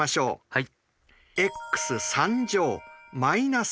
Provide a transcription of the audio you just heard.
はい。